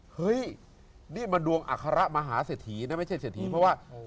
เฮ้ยนี่มันดวงอัฆาระมหาเสถียนะไม่ใช่เสถียเพราะว่า